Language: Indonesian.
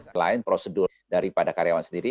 selain prosedur daripada karyawan sendiri